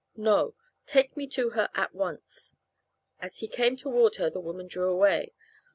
"No. Take me to her at once." As he came toward her the woman drew away.